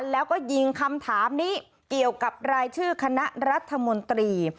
แล้วก็ยิงคำถามนี้เกี่ยวกับรายชื่อคณะรัฐมนตรี